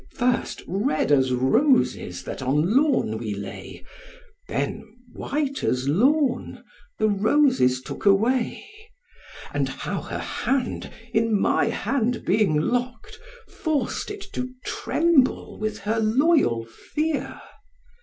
First red as roses that on lawn we lay, Then white as lawn, the roses took away. 'And how her hand; in my hand being lock'd, Forced it to tremble with her loyal fear!